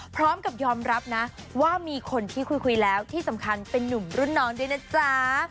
พร้อมกับยอมรับนะว่ามีคนที่คุยแล้วที่สำคัญเป็นนุ่มรุ่นน้องด้วยนะจ๊ะ